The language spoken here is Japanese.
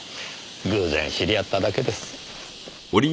偶然知り合っただけです。